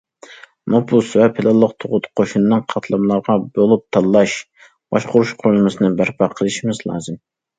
نوپۇس ۋە پىلانلىق تۇغۇت قوشۇنىنىڭ قاتلاملارغا بۆلۈپ تاللاپ باشقۇرۇش قۇرۇلمىسىنى بەرپا قىلىشىمىز لازىم.